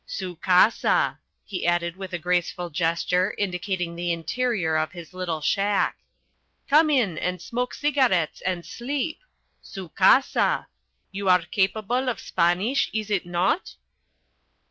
Su casa!" he added with a graceful gesture indicating the interior of his little shack. "Come in and smoke cigarettes and sleep. Su casa! You are capable of Spanish, is it not?"